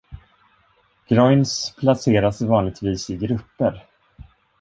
Groynes placeras vanligtvis i grupper.